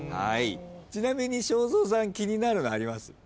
ちなみに正蔵さん気になるのあります？